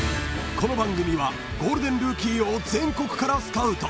［この番組はゴールデンルーキーを全国からスカウト］